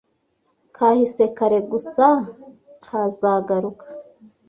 kahise kare gusa kazagaruka